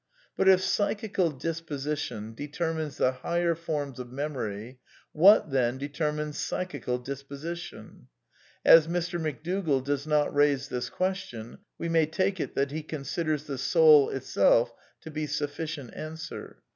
But if " psychical disposition " determines the higher forms of memory, what, then, determines " psychical dis position "? As Mr. McDougall does not raise this question, we may take it that he considers " the soul itself " to be suflScient answer.